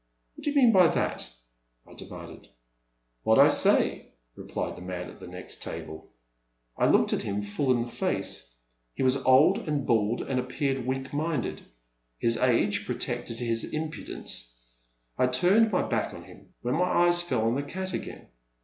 What do you mean by that ?" I demanded. What I say, '' replied the man at the next table. I looked him full in the face. He was old and bald and appeared weak minded. His age pro tected his impudence. I turned my back on him. Then my eyes fell on the cat again.